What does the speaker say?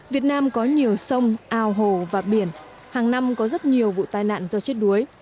việt nam có nhiều sông ao hồ và biển hàng năm có rất nhiều vụ tai nạn do chết đuối